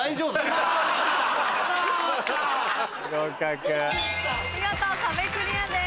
見事壁クリアです。